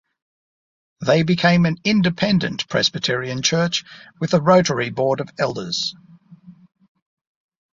They became an Independent Presbyterian church with a rotary board of elders.